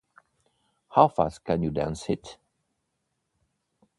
How fast can you dance it?